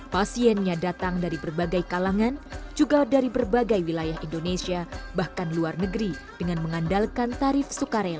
pasiennya datang dari berbagai kalangan juga dari berbagai wilayah indonesia bahkan luar negeri dengan mengandalkan tarif sukarela